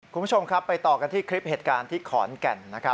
คุณผู้ชมครับไปต่อกันที่คลิปเหตุการณ์ที่ขอนแก่น